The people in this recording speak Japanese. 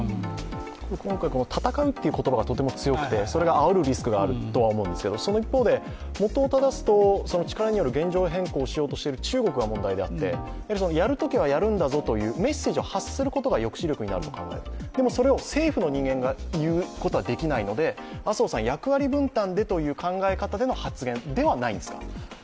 今回、戦うという言葉がとても強くてそれがあおるリスクがあると思うんですけどその一方で、元をただすと、力による現状変更をしようとしている中国が問題であって、やはりやるときはやるんだぞというメッセージを発することが抑止力となるそれを政府の人間が言うことはできないので、麻生さん、役割分担でという考えでの発言ではないんですか。